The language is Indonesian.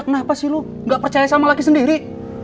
kenapa sih lu gak percaya sama laki sendiri